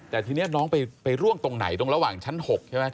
แต่ทีนี้น้องไปร่วงตรงไหนตรงระหว่างชั้น๖ใช่ไหม